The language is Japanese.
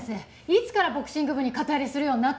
いつからボクシング部に肩入れするようになったの？